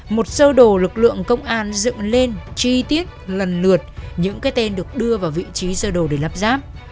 một sơ đồ lực lượng công an dựng lên chi tiết lần lượt những cái tên được đưa vào vị trí sơ đồ để lắp ráp